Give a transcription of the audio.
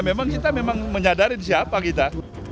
memang kita memang menyadari siapa kita